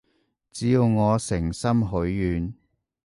只要我誠心許願